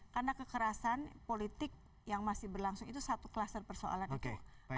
karena kekerasan politik yang masih berlangsung itu satu kluster persoalan itu